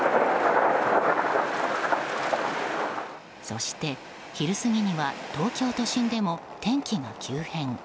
そして昼過ぎには東京都心でも天気が急変。